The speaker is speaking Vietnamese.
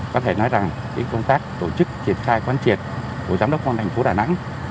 có thể nói rằng công tác tổ chức triển khai quan triệt của giám đốc công an thành phố đà nẵng